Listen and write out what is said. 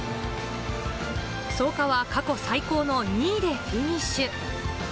創価は過去最高の２位でフィニッシュ。